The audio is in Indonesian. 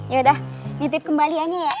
yaudah nitip kembaliannya ya